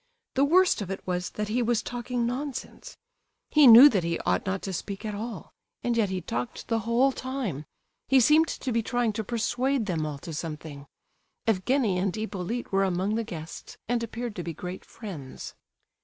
The worst of it was that he was talking nonsense; he knew that he ought not to speak at all, and yet he talked the whole time; he seemed to be trying to persuade them all to something. Evgenie and Hippolyte were among the guests, and appeared to be great friends.